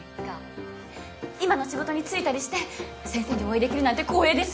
今の仕事についたりして先生にお会いできるなんて光栄です。